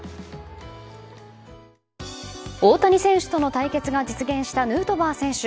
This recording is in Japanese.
大谷選手との対決が実現したヌートバー選手。